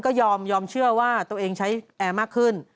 ก็ยอมเชื่อว่าตัวเองใช้แอร์มากขึ้น